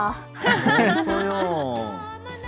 本当よ。